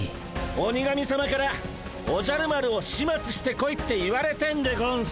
鬼神さまからおじゃる丸をしまつしてこいって言われてんでゴンス。